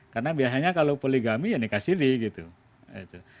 karena biasanya kalau poligami ya nikah siri gitu